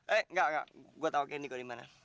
eh engga engga gua tau kendi gua dimana